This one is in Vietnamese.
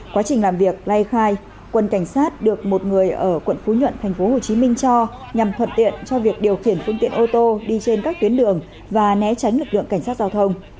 quá trình làm việc lai khai quân cảnh sát được một người ở quận phú nhuận tp hcm cho nhằm thuận tiện cho việc điều khiển phương tiện ô tô đi trên các tuyến đường và né tránh lực lượng cảnh sát giao thông